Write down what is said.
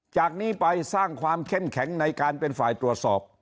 จากนี้ไปสร้างความเข้มแข็งในการเป็นฝ่ายตรวจสอบ